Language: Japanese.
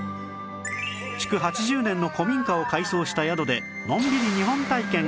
築８０年の古民家を改装した宿でのんびり日本体験